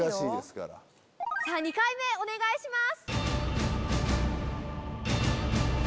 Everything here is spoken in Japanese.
２回目お願いします。